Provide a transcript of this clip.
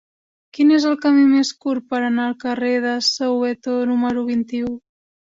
Quin és el camí més curt per anar al carrer de Soweto número vint-i-u?